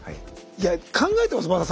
いや考えてます？